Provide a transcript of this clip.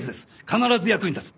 必ず役に立つ。